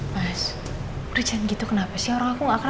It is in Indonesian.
mas kerjaan gitu kenapa sih orang aku gak akan pernah